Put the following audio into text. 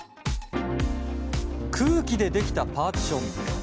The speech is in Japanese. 空気でできたパーティション。